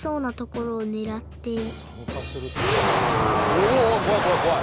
お怖い怖い怖い！